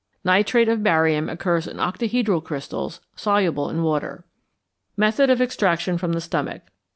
=Nitrate of Barium= occurs in octahedral crystals, soluble in water. _Method of Extraction from the Stomach.